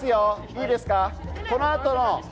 いいですか？